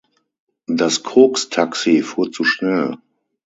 Das Koks-Taxi fuhr zu schnell.